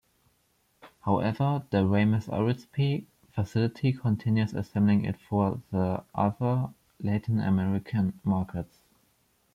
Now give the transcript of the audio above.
However, the Ramos Arizpe facility continues assembling it for the other Latin American markets.